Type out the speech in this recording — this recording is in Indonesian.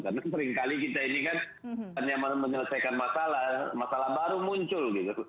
karena seringkali kita ini kan hanya mau menyelesaikan masalah masalah baru muncul gitu